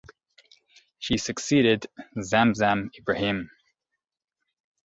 She succeeded Zamzam Ibrahim.